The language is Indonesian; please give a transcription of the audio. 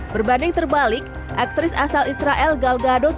berbanding terbalik aktris asal israel gal gadot